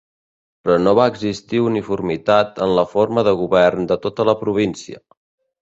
Però no va existir uniformitat en la forma de govern de tota la província.